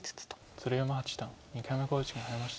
鶴山八段２回目の考慮時間に入りました。